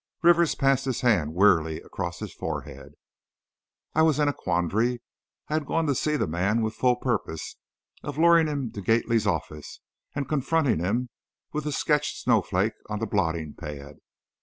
Rivers passed his hand wearily across his forehead. I was in a quandary. I had gone to see the man with full purpose of luring him to Gately's office and confronting him with the sketched snowflake on the blotting pad.